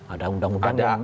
ada undang undang yang